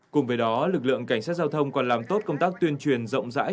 cùng với đó lực lượng cảnh sát giao thông còn làm tốt công tác tuyên truyền rộng rãi